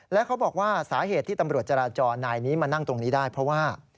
และเขาบอกว่าสาเหตุที่ตำรวจจราจรนายนี้มานั่งตรงนี้ได้เพราะว่า